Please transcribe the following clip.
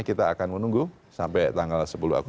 kita akan menunggu sampai tanggal sepuluh agustus